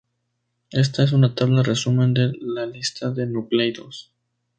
Esta es una tabla resumen de la lista de nucleidos.